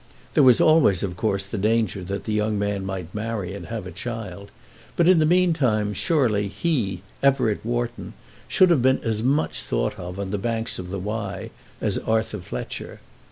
There was always of course the danger that the young man might marry and have a child; but in the meantime surely he, Everett Wharton, should have been as much thought of on the banks of the Wye as Arthur Fletcher.